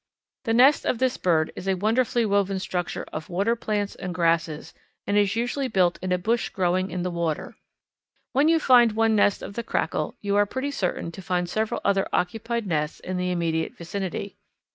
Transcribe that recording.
The nest of this bird is a wonderfully woven structure of water plants and grasses and is usually built in a bush growing in the water. When you find one nest of the Crackle you are pretty certain to find several other occupied nests in the immediate vicinity.